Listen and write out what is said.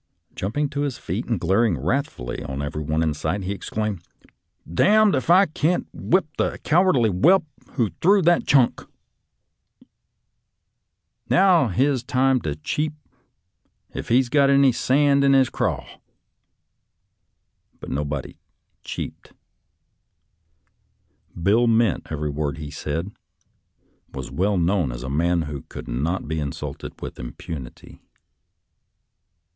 Jump ing to his feet and glaring wrathfully on every body in sight, he exclaimed, " D d if I can't whip the cowardly whelp who threw that chunk ! Now's his time to cheep, if he's got any sand in his craw." But nobody " cheeped." Bill meant every word he said, and was well known as a man who could not be insulted with impunity.